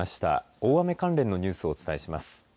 大雨関連のニュースをお伝えします。